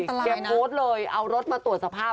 ยังตลายนะเก็บโพสต์เลยเอารถมาตรวจสภาพ